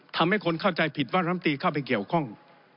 ทำให้คนเข้าใจผิดว่ารำตีเข้าไปเกี่ยวข้อง